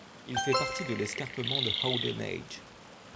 Il fait partie de l'escarpement de Howden Edge.